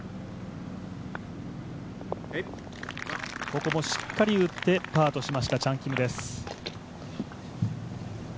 ここもしっかり打ってパーとしました、チャン・キムです。